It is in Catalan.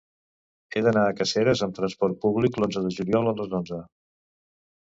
He d'anar a Caseres amb trasport públic l'onze de juliol a les onze.